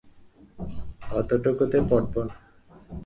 অতটুকুতে পটব না।